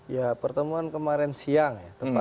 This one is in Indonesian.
ya pertemuan kemarin siang ya